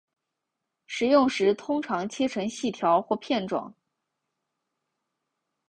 食用时通常切成细条或片状。